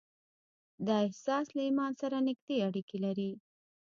دا احساس له ايمان سره نږدې اړيکې لري.